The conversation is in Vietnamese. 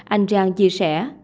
anh chiang chia sẻ